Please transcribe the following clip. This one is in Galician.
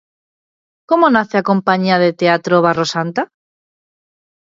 Como nace a compañía de teatro Barrosanta?